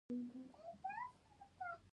غږ د ژوند نبض دی